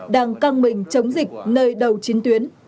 đang căng mệnh chống dịch nơi đầu chiến tuyến